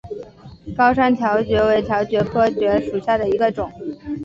高山条蕨为条蕨科条蕨属下的一个种。